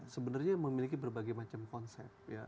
sebenarnya memiliki berbagai macam konsep